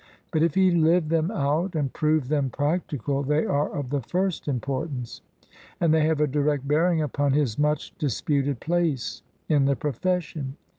But if he lived them out and proved them practical, they are of the first importance, and they have a direct bearing upon his much dis puted place in the profession.